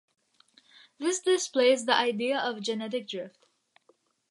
This displays the idea of genetic drift.